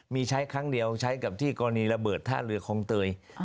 มีใช้ครั้งเดียวใช้กับที่กรณีระเบิดท่าเรือคลองเตย